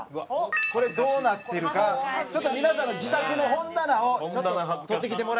これどうなってるかちょっと皆さんの自宅の本棚を撮ってきてもらいましたんで。